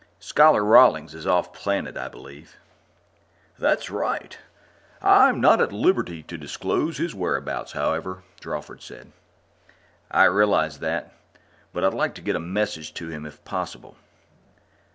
"Scholar Rawlings is off planet, I believe?" "That's right. I'm not at liberty to disclose his whereabouts, however," Drawford said. "I realize that. But I'd like to get a message to him, if possible."